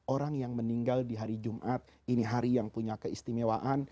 orang yang meninggal di hari jumat ini hari yang punya keistimewaan